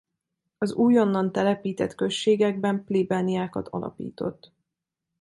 Az újonnan telepített községekben plébániákat alapított.